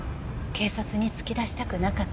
警察に突き出したくなかったんですね。